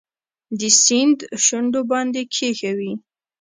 د سیند شونډو باندې کښېښوي